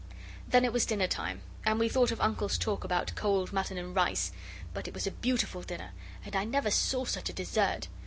Then it was dinner time, and we thought of Uncle's talk about cold mutton and rice. But it was a beautiful dinner, and I never saw such a dessert!